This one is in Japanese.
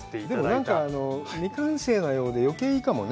でも、なんか未完成なようで、余計いいかもね。